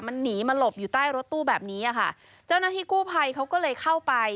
มันหนีมาหลบอยู่ใต้รถตู้แบบนี้อ่ะค่ะเจ้าหน้าที่กู้ภัยเขาก็เลยเข้าไป